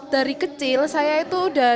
dari kecil saya itu udah